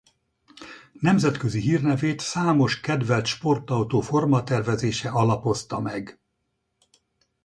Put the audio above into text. Nemzetközi hírnevét számos kedvelt sportautó formatervezése alapozta meg.